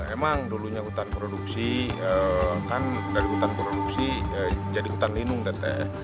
emang dulunya hutan produksi kan dari hutan produksi jadi hutan lindung tetes